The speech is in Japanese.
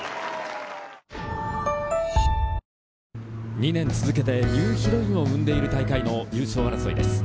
２年続けてニューヒロインを生んでいる大会の優勝争いです。